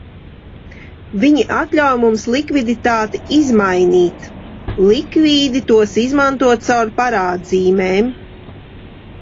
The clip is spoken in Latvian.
Viņi atļauj mums likviditāti izmainīt, likvīdi tos izmantot caur parādzīmēm.